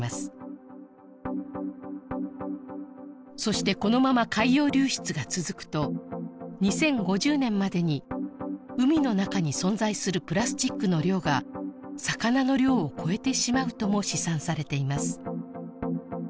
そしてこのまま海洋流出が続くと２０５０年までに海の中に存在するプラスチックの量が魚の量を超えてしまうとも試算されています